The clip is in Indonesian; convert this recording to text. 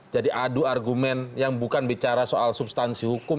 jadi adu argumen yang bukan bicara soal substansi hukum